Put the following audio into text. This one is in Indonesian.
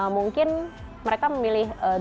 mungkin mereka memilih daur ulang